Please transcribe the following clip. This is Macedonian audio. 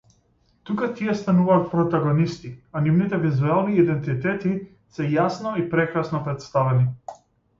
Тука тие стануваат протагонисти, а нивните визуелни идентитети се јасно и прекрасно претставени.